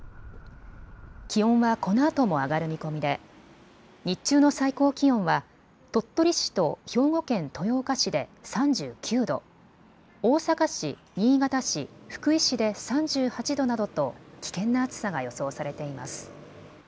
気温はこのあとも上がる見込みで日中の最高気温は鳥取市と兵庫県豊岡市で３９度、大阪市、新潟市、福井市で３８度などと危険な暑さが予想されています。